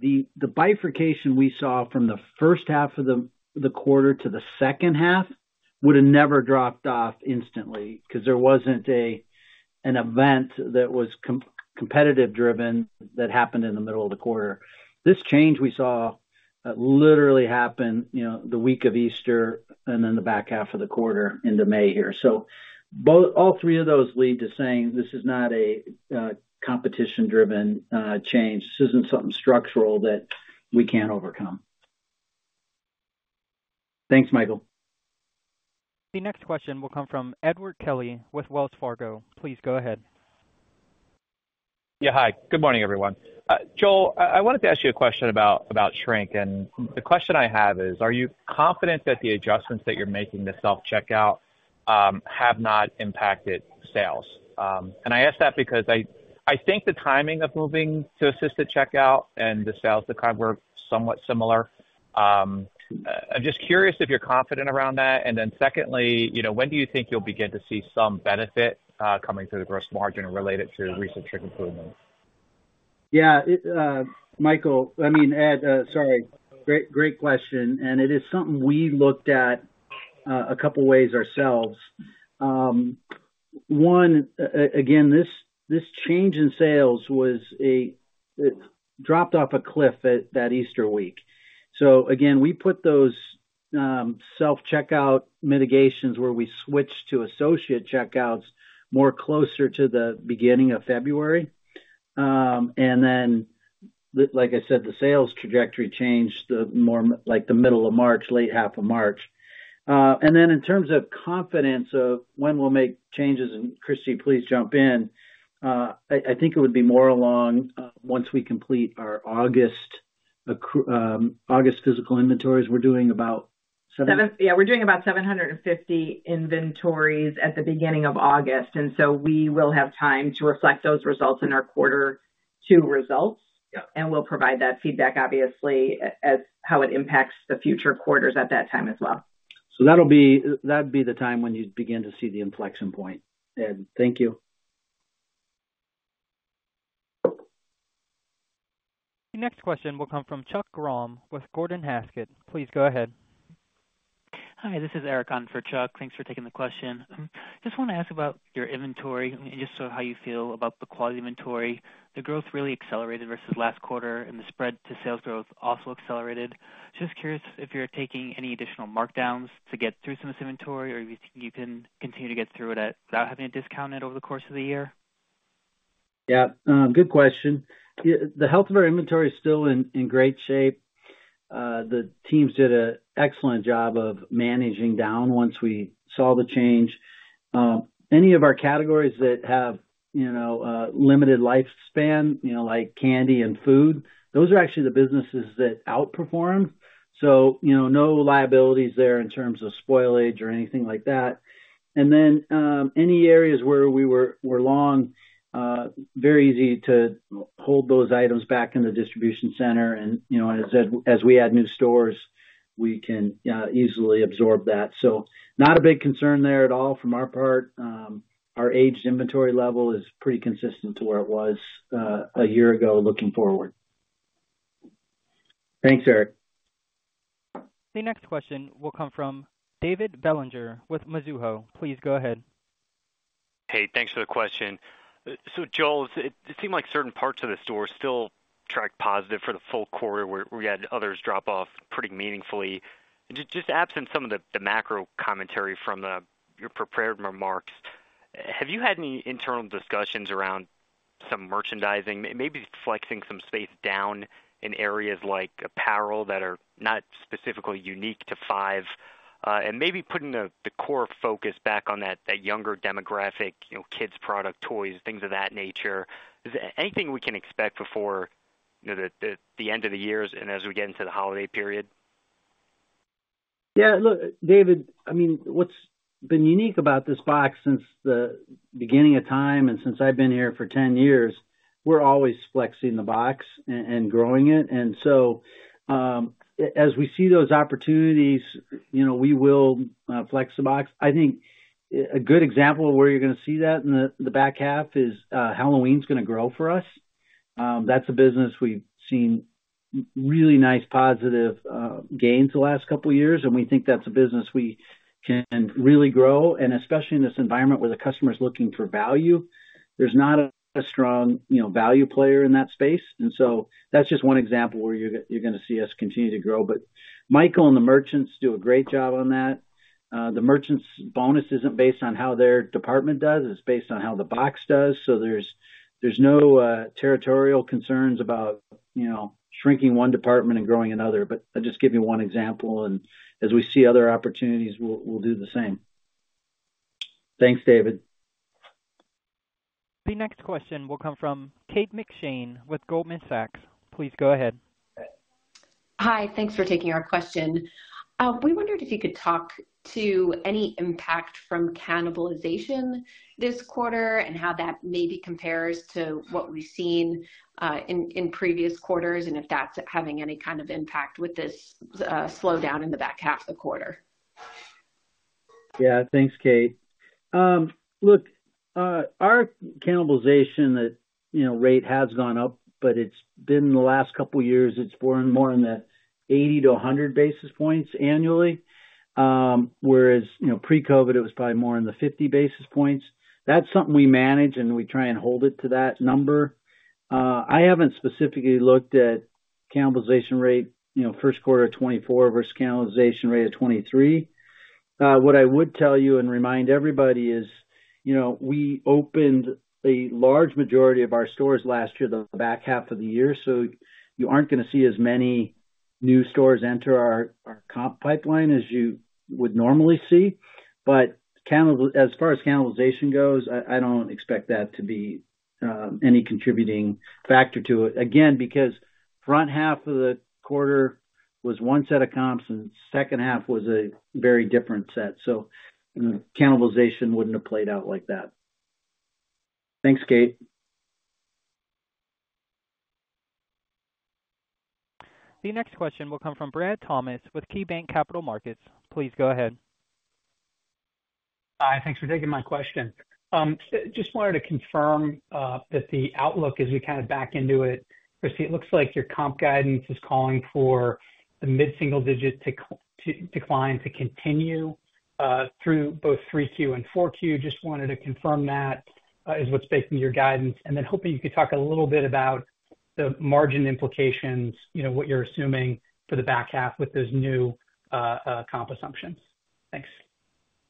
the bifurcation we saw from the H1 of the quarter to the H2 would have never dropped off instantly because there wasn't an event that was competitive driven that happened in the middle of the quarter. This change we saw literally happened, you know, the week of Easter and then the back half of the quarter into May here. So both, all three of those lead to saying this is not a competition-driven change. This isn't something structural that we can't overcome. Thanks, Michael. The next question will come from Edward Kelly with Wells Fargo. Please go ahead. Yeah, hi. Good morning, everyone. Joel, I wanted to ask you a question about shrink. And the question I have is: Are you confident that the adjustments that you're making to self-checkout have not impacted sales? And I ask that because I think the timing of moving to assisted checkout and the sales decline were somewhat similar. I'm just curious if you're confident around that. And then secondly, you know, when do you think you'll begin to see some benefit coming to the gross margin related to recent shrink improvements? Yeah, Michael, I mean, Ed, sorry. Great, great question, and it is something we looked at a couple ways ourselves. One, again, this change in sales was. It dropped off a cliff at that Easter week. So again, we put those self-checkout mitigations where we switched to associate checkouts more closer to the beginning of February. And then, like I said, the sales trajectory changed more like the middle of March, late half of March. And then in terms of confidence of when we'll make changes, and Kristy, please jump in, I think it would be more along once we complete our August physical inventories, we're doing about 7- Yeah, we're doing about 750 inventories at the beginning of August, and so we will have time to reflect those results in our Q2 results. Yeah. We'll provide that feedback, obviously, as how it impacts the future quarters at that time as well. So that'll be—that'd be the time when you begin to see the inflection point. Ed, thank you. The next question will come from Chuck Grom with Gordon Haskett. Please go ahead. Hi, this is Eric on for Chuck. Thanks for taking the question. Just want to ask about your inventory and just how you feel about the quality inventory. The growth really accelerated versus last quarter, and the spread to sales growth also accelerated. Just curious if you're taking any additional markdowns to get through some of this inventory, or if you can continue to get through it at, without having to discount it over the course of the year. Yeah, good question. The health of our inventory is still in great shape. The teams did an excellent job of managing down once we saw the change. Any of our categories that have you know limited lifespan, you know, like candy and food, those are actually the businesses that outperform. So, you know, no liabilities there in terms of spoilage or anything like that. And then, any areas where we were long, very easy to hold those items back in the distribution center. And, you know, as we add new stores, we can easily absorb that. So not a big concern there at all from our part. Our aged inventory level is pretty consistent to where it was a year ago, looking forward. Thanks, Eric. The next question will come from David Bellinger with Mizuho. Please go ahead. Hey, thanks for the question. So Joel, it seemed like certain parts of the store still tracked positive for the full quarter, where we had others drop off pretty meaningfully. Just absent some of the macro commentary from your prepared remarks, have you had any internal discussions around some merchandising, maybe flexing some space down in areas like apparel that are not specifically unique to Five, and maybe putting the core focus back on that younger demographic, you know, kids product, toys, things of that nature? Is there anything we can expect before, you know, the end of the years and as we get into the holiday period? Yeah, look, David, I mean, what's been unique about this box since the beginning of time and since I've been here for 10 years, we're always flexing the box and growing it. And so, as we see those opportunities, you know, we will flex the box. I think a good example of where you're gonna see that in the back half is Halloween's gonna grow for us. That's a business we've seen really nice positive gains the last couple of years, and we think that's a business we can really grow, and especially in this environment, where the customer is looking for value. There's not a strong, you know, value player in that space. And so that's just one example where you're gonna see us continue to grow. But Michael and the merchants do a great job on that. The merchants' bonus isn't based on how their department does, it's based on how the box does. So there's no territorial concerns about, you know, shrinking one department and growing another. But I'll just give you one example, and as we see other opportunities, we'll do the same. Thanks, David. The next question will come from Kate McShane with Goldman Sachs. Please go ahead. Hi, thanks for taking our question. We wondered if you could talk to any impact from cannibalization this quarter, and how that maybe compares to what we've seen, in previous quarters, and if that's having any kind of impact with this slowdown in the back half of the quarter. Yeah. Thanks, Kate. Look, our cannibalization, you know, rate has gone up, but it's been in the last couple of years, it's more and more in the 80-100 basis points annually. Whereas, you know, pre-COVID, it was probably more in the 50 basis points. That's something we manage, and we try and hold it to that number. I haven't specifically looked at cannibalization rate, you know, Q1 of 2024 versus cannibalization rate of 2023. What I would tell you and remind everybody is, you know, we opened a large majority of our stores last year, the back half of the year, so you aren't gonna see as many new stores enter our, our comp pipeline as you would normally see. But as far as cannibalization goes, I, I don't expect that to be, any contributing factor to it. Again, because front half of the quarter was one set of comps, and second half was a very different set, so cannibalization wouldn't have played out like that. Thanks, Kate. The next question will come from Brad Thomas with KeyBanc Capital Markets. Please go ahead. Hi, thanks for taking my question. Just wanted to confirm that the outlook as we kind of back into it. Christiane, it looks like your comp guidance is calling for the mid-single digit decline to continue through both 3Q and 4Q. Just wanted to confirm that is what's based on your guidance, and then hoping you could talk a little bit about the margin implications, you know, what you're assuming for the back half with those new comp assumptions. Thanks.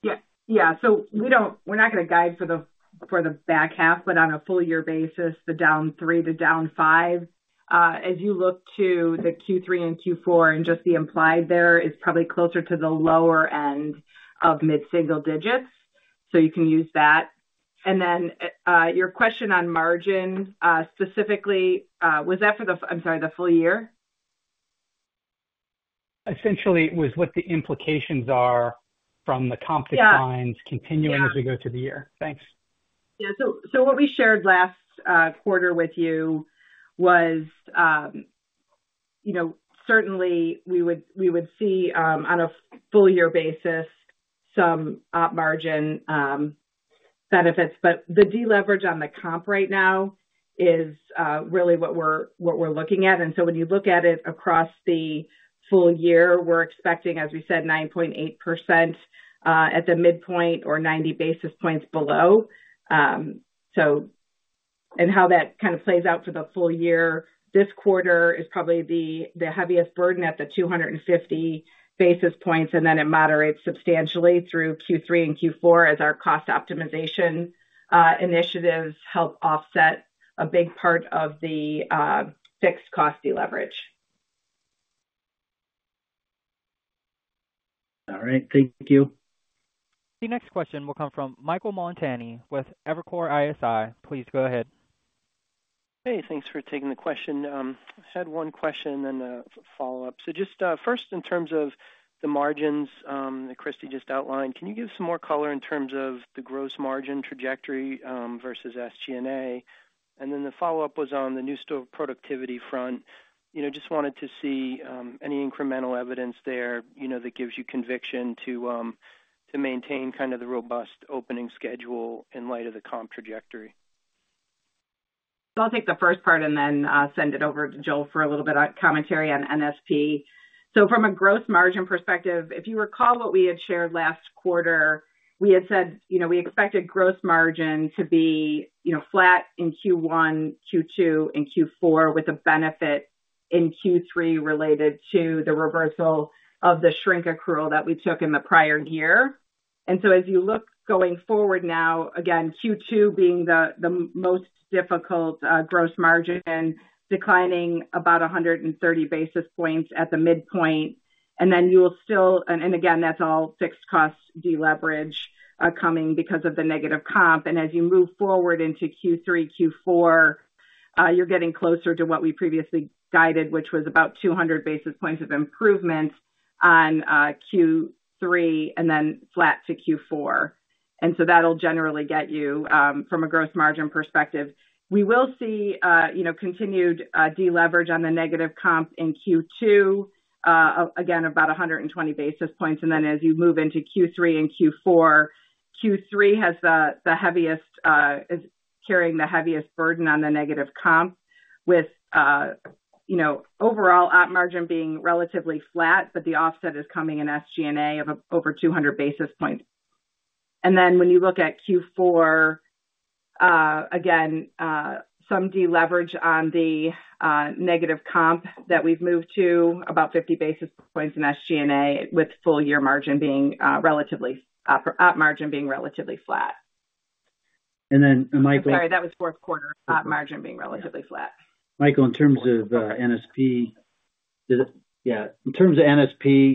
Yeah, yeah. So we don't—we're not gonna guide for the, for the back half, but on a full year basis, down 3% to down 5%. As you look to the Q3 and Q4 and just the implied there, it's probably closer to the lower end of mid-single digits. So you can use that. And then, your question on margin, specifically, was that for the... I'm sorry, the full year? Essentially, it was what the implications are from the comp declines. Yeah. continuing as we go through the year. Thanks. Yeah. So what we shared last quarter with you was, you know, certainly, we would see, on a full year basis, some margin benefits. But the deleverage on the comp right now is really what we're looking at. And so when you look at it across the full year, we're expecting, as we said, 9.8% at the midpoint or 90 basis points below. So, and how that kind of plays out for the full year, this quarter is probably the heaviest burden at the 250 basis points, and then it moderates substantially through Q3 and Q4 as our cost optimization initiatives help offset a big part of the fixed cost deleverage.... All right. Thank you. The next question will come from Michael Montani with Evercore ISI. Please go ahead. Hey, thanks for taking the question. I had one question and a follow-up. So just first, in terms of the margins that Kristy just outlined, can you give some more color in terms of the gross margin trajectory versus SG&A? And then the follow-up was on the new store productivity front. You know, just wanted to see any incremental evidence there, you know, that gives you conviction to maintain kind of the robust opening schedule in light of the comp trajectory. So I'll take the first part and then send it over to Joel for a little bit of commentary on NSP. So from a gross margin perspective, if you recall what we had shared last quarter, we had said, you know, we expected gross margin to be, you know, flat in Q1, Q2, and Q4, with a benefit in Q3 related to the reversal of the shrink accrual that we took in the prior year. And so as you look going forward now, again, Q2 being the most difficult gross margin, declining about 130 basis points at the midpoint, and then you will still—and again, that's all fixed cost deleverage coming because of the negative comp. And as you move forward into Q3, Q4, you're getting closer to what we previously guided, which was about 200 basis points of improvement on Q3, and then flat to Q4. And so that'll generally get you from a gross margin perspective. We will see, you know, continued deleverage on the negative comp in Q2, again, about 120 basis points. And then as you move into Q3 and Q4, Q3 has the, the heaviest, is carrying the heaviest burden on the negative comp with, you know, overall, op margin being relatively flat, but the offset is coming in SG&A of over 200 basis points. Then when you look at Q4, again, some deleverage on the negative comp that we've moved to, about 50 basis points in SG&A, with full year margin being relatively op margin being relatively flat. And then, Michael- Sorry, that was fourth quarter op margin being relatively flat. Michael, in terms of NSP,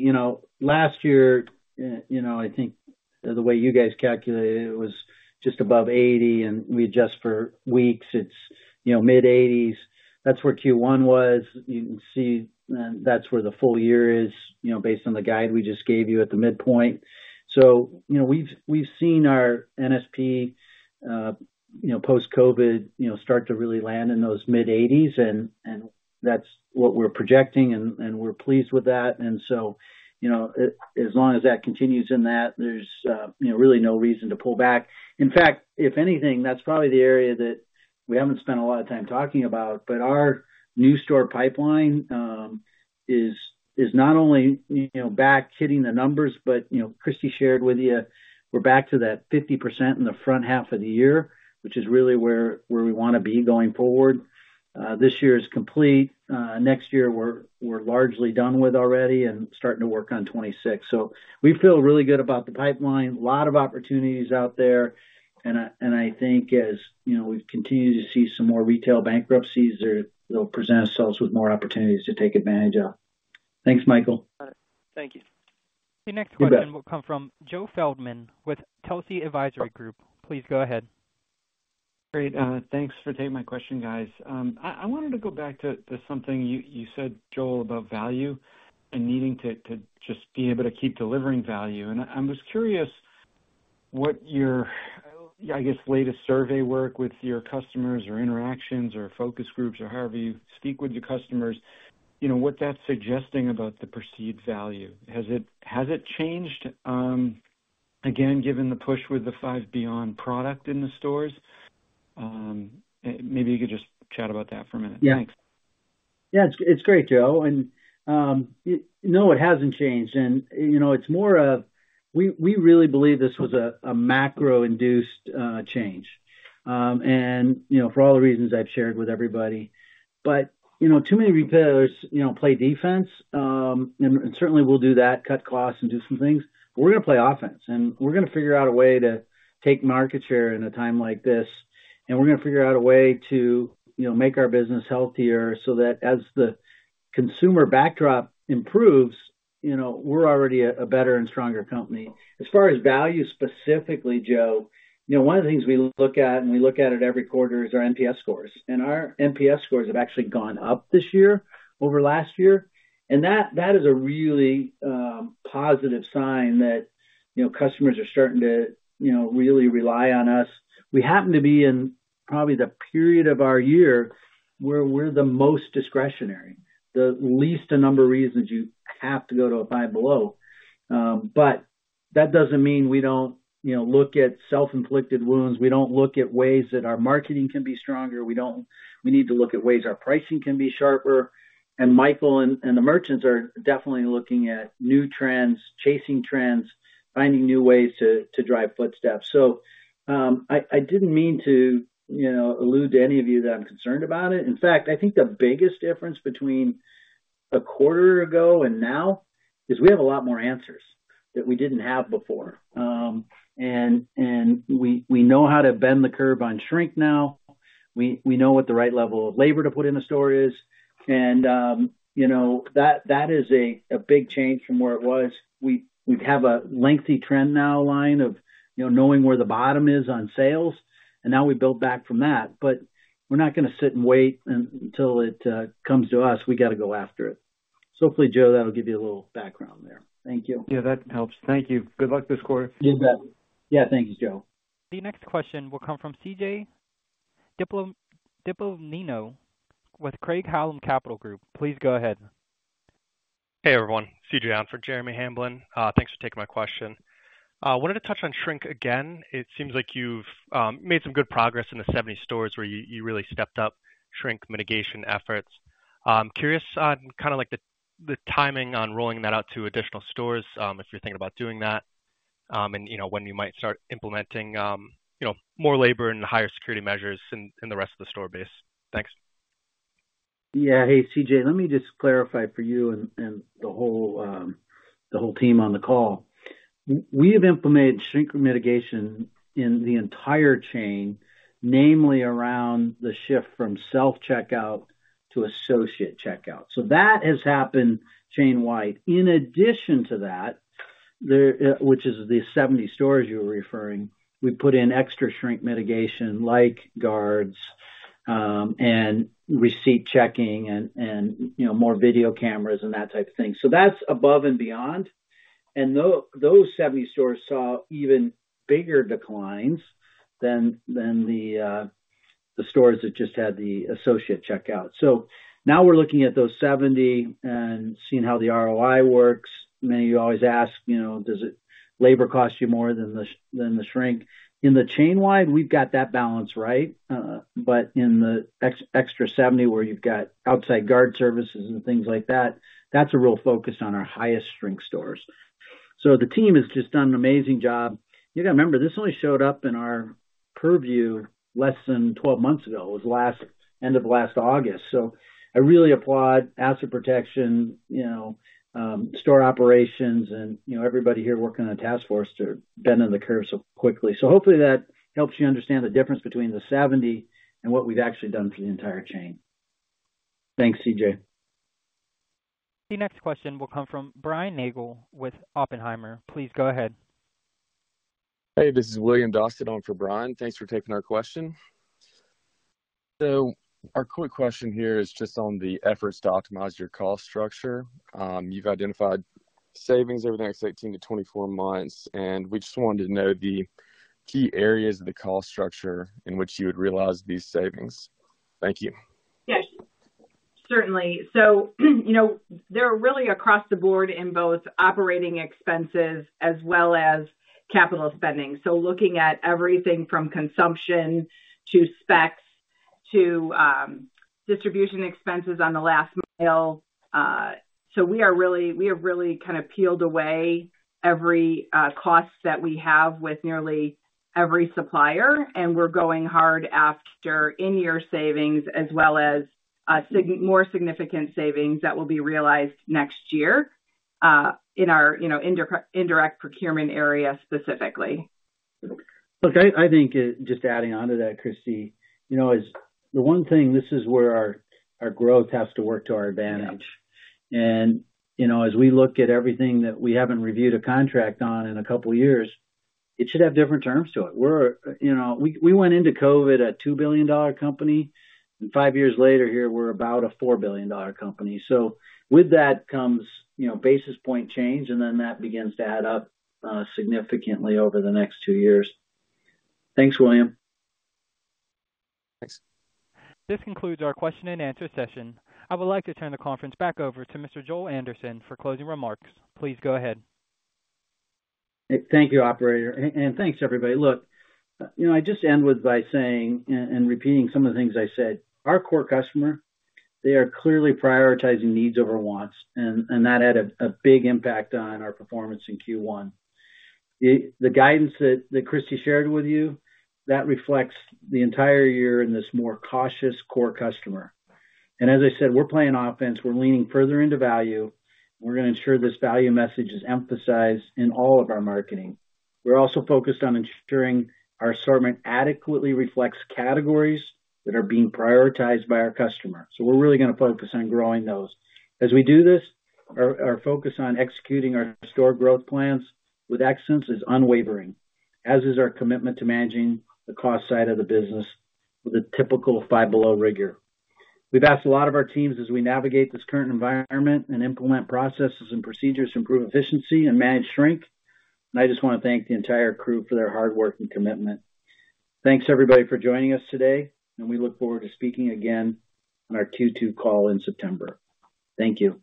you know, last year, you know, I think the way you guys calculated it, it was just above 80, and we adjust for weeks. It's, you know, mid-80s. That's where Q1 was. You can see, that's where the full year is, you know, based on the guide we just gave you at the midpoint. So, you know, we've, we've seen our NSP, you know, post-COVID, you know, start to really land in those mid-80s, and, and that's what we're projecting, and, and we're pleased with that. And so, you know, as, as long as that continues in that, there's, you know, really no reason to pull back. In fact, if anything, that's probably the area that we haven't spent a lot of time talking about. But our new store pipeline is not only, you know, back hitting the numbers, but, you know, Kristy shared with you, we're back to that 50% in the front half of the year, which is really where we wanna be going forward. This year is complete. Next year, we're largely done with already and starting to work on 2026. So we feel really good about the pipeline. A lot of opportunities out there, and I think as, you know, we've continued to see some more retail bankruptcies, they'll present ourselves with more opportunities to take advantage of. Thanks, Michael. All right. Thank you. You bet. The next question will come from Joe Feldman with Telsey Advisory Group. Please go ahead. Great. Thanks for taking my question, guys. I wanted to go back to something you said, Joel, about value and needing to just be able to keep delivering value. And I was curious what your latest survey work with your customers or interactions or focus groups or however you speak with your customers, you know, what that's suggesting about the perceived value. Has it changed again, given the push with the Five Beyond product in the stores? Maybe you could just chat about that for a minute. Yeah. Thanks. Yeah, it's great, Joe. And no, it hasn't changed. And you know, it's more of we really believe this was a macro-induced change. And you know, for all the reasons I've shared with everybody. But you know, too many retailers you know play defense. And certainly we'll do that, cut costs and do some things, but we're gonna play offense. And we're gonna figure out a way to take market share in a time like this, and we're gonna figure out a way to you know make our business healthier so that as the consumer backdrop improves, you know we're already a better and stronger company. As far as value, specifically, Joe, you know, one of the things we look at, and we look at it every quarter, is our NPS scores, and our NPS scores have actually gone up this year over last year. And that is a really positive sign that, you know, customers are starting to, you know, really rely on us. We happen to be in probably the period of our year where we're the most discretionary, the least a number of reasons you have to go to a Five Below. But that doesn't mean we don't, you know, look at self-inflicted wounds. We don't look at ways that our marketing can be stronger. We need to look at ways our pricing can be sharper. And Michael and the merchants are definitely looking at new trends, chasing trends, finding new ways to drive footsteps. So, I didn't mean to, you know, allude to any of you that I'm concerned about it. In fact, I think the biggest difference between a quarter ago and now is we have a lot more answers that we didn't have before. And we know how to bend the curve on shrink now. We know what the right level of labor to put in the store is, and, you know, that is a big change from where it was. We have a lengthy trendline of, you know, knowing where the bottom is on sales, and now we build back from that. But we're not gonna sit and wait until it comes to us. We gotta go after it. So hopefully, Joe, that'll give you a little background there. Thank you. Yeah, that helps. Thank you. Good luck this quarter. You bet. Yeah, thank you, Joe. The next question will come from CJ Dipollino with Craig-Hallum Capital Group. Please go ahead. Hey, everyone. CJ on for Jeremy Hamblin. Thanks for taking my question. Wanted to touch on shrink again. It seems like you've made some good progress in the 70 stores where you really stepped up shrink mitigation efforts. I'm curious on kinda like the timing on rolling that out to additional stores, if you're thinking about doing that, and, you know, when you might start implementing, you know, more labor and higher security measures in the rest of the store base. Thanks. Yeah. Hey, CJ, let me just clarify for you and the whole team on the call. We have implemented shrink mitigation in the entire chain, namely around the shift from self-checkout to associate checkout. So that has happened chain-wide. In addition to that, which is the 70 stores you were referring, we put in extra shrink mitigation, like guards and receipt checking and you know, more video cameras and that type of thing. So that's above and beyond, and those 70 stores saw even bigger declines than the stores that just had the associate checkout. So now we're looking at those 70 and seeing how the ROI works. Then you always ask, you know, does it labor cost you more than the shrink? In the chain-wide, we've got that balance right, but in the extra 70, where you've got outside guard services and things like that, that's a real focus on our highest shrink stores. So the team has just done an amazing job. You gotta remember, this only showed up in our purview less than 12 months ago. It was last, end of last August. So I really applaud asset protection, you know, store operations, and, you know, everybody here working on the task force to bend on the curve so quickly. So hopefully that helps you understand the difference between the 70 and what we've actually done for the entire chain. Thanks, CJ. The next question will come from Brian Nagel with Oppenheimer. Please go ahead. Hey, this is William Dossett on for Brian. Thanks for taking our question. So our quick question here is just on the efforts to optimize your cost structure. You've identified savings over the next 18 to 24 months, and we just wanted to know the key areas of the cost structure in which you would realize these savings. Thank you. Yes, certainly. So, you know, they're really across the board in both operating expenses as well as capital spending. So looking at everything from consumption to specs to distribution expenses on the last mile, so we are really—we have really kind of peeled away every cost that we have with nearly every supplier, and we're going hard after in-year savings, as well as more significant savings that will be realized next year in our, you know, indirect procurement area specifically. Look, I, I think, just adding on to that, Kristy, you know, is the one thing, this is where our, our growth has to work to our advantage. Yeah. You know, as we look at everything that we haven't reviewed a contract on in a couple of years, it should have different terms to it. We're, you know, we went into COVID a $2 billion-dollar company, and five years later, here, we're about a $4 billion-dollar company. So with that comes, you know, basis point change, and then that begins to add up significantly over the next two years. Thanks, William. Thanks. This concludes our question and answer session. I would like to turn the conference back over to Mr. Joel Anderson for closing remarks. Please go ahead. Thank you, operator, and thanks, everybody. Look, you know, I just end with by saying and repeating some of the things I said. Our core customer, they are clearly prioritizing needs over wants, and that had a big impact on our performance in Q1. The guidance that Kristy shared with you reflects the entire year in this more cautious core customer. And as I said, we're playing offense. We're leaning further into value, and we're gonna ensure this value message is emphasized in all of our marketing. We're also focused on ensuring our assortment adequately reflects categories that are being prioritized by our customers, so we're really gonna focus on growing those. As we do this, our focus on executing our store growth plans with excellence is unwavering, as is our commitment to managing the cost side of the business with a typical Five Below rigor. We've asked a lot of our teams as we navigate this current environment and implement processes and procedures to improve efficiency and manage shrink, and I just wanna thank the entire crew for their hard work and commitment. Thanks, everybody, for joining us today, and we look forward to speaking again on our Q2 call in September. Thank you.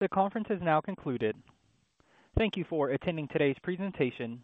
The conference is now concluded. Thank you for attending today's presentation.